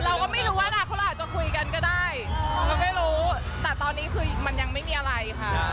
เราก็ไม่รู้เวลาเขาอาจจะคุยกันก็ได้เราไม่รู้แต่ตอนนี้คือมันยังไม่มีอะไรค่ะ